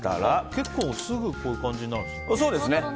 結構すぐこういう感じになるんですね。